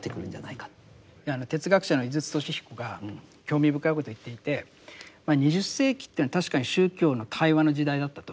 哲学者の井筒俊彦が興味深いことを言っていて２０世紀っていうのは確かに宗教の対話の時代だったと。